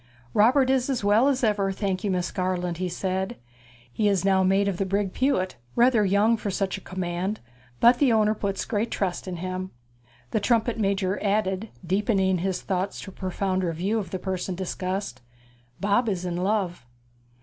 'Robert is as well as ever, thank you, Miss Garland,' he said. 'He is now mate of the brig Pewit rather young for such a command; but the owner puts great trust in him.' The trumpet major added, deepening his thoughts to a profounder view of the person discussed, 'Bob is in love.'